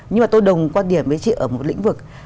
nhưng mà tôi đồng quan điểm với chị ở một lĩnh vực